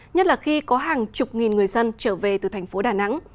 nhất là khi có hàng chục nghìn người dân trở về từ thành phố đà nẵng